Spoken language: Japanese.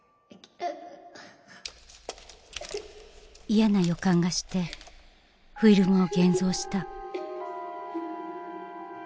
嫌な予感がしてフィルムを現像した。